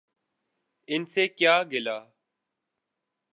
ان سے کیا گلہ۔